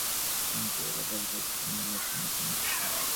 কিন্তু এরা বলে পরিবর্তনের মূল্য তিনগুণ বেশী।